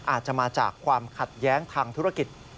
อาจจะมาจากความขัดแย้งทางธุรกิจ